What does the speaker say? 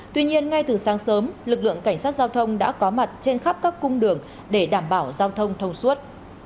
tuy nhiên ngay từ sáng sớm lực lượng cảnh sát giao thông đã có mặt trên khắp các cung đường để đảm bảo giao thông thông suốt